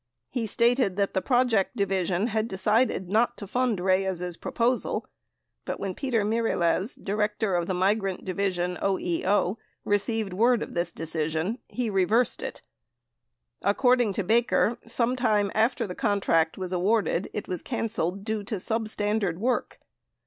He stated that the Project Division had decided not to fund Reyes' proposal but, when Peter Mirelez, Director of the Migrant Division, OEO, received word of this decision, he reversed it. Accord ing to Baker, sometime after the contract was awarded it was canceled due to substandard work.